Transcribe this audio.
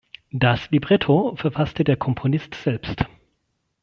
Das Libretto verfasste der Komponist selbst.